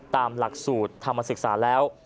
ตามหลักสูตรธรรมศึกษาแล้ว